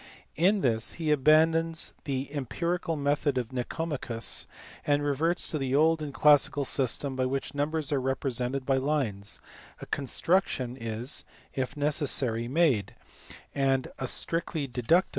In this he abandons the em pirical method of Nicomachus, and reverts to the old and classical system by which numbers are represented by lines, a construction is (if necessary) made, and a strictly deductive * See Diophantos of Alexandria by T.